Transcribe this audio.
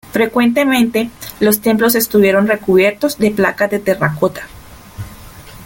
Frecuentemente, los templos estuvieron recubiertos de placas de terracota.